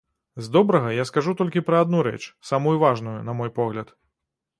З добрага я скажу толькі пра адну рэч, самую важную, на мой погляд.